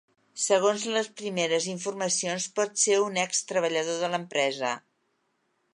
Segons les primeres informacions, pot ser un ex-treballador de l’empresa.